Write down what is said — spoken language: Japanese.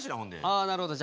あなるほど。